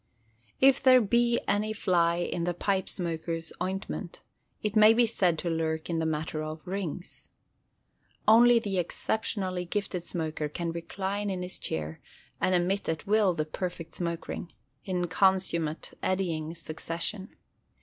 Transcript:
If there be any fly in the pipe smoker's ointment, it may be said to lurk in the matter of "rings." Only the exceptionally gifted smoker can recline in his chair and emit at will the perfect smoke ring, in consummate eddying succession.